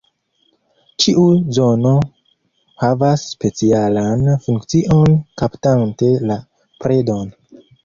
Ĉiu zono havas specialan funkcion kaptante la predon.